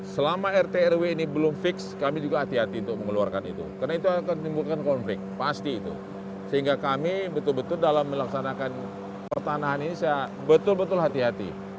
selama rt rw ini belum fix kami juga hati hati untuk mengeluarkan itu karena itu akan menimbulkan konflik pasti itu sehingga kami betul betul dalam melaksanakan pertanahan ini saya betul betul hati hati